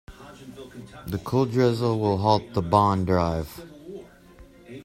The cold drizzle will halt the bond drive.